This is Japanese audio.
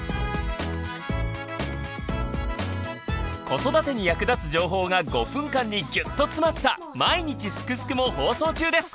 子育てに役立つ情報が５分間にギュッと詰まった「まいにちスクスク」も放送中です。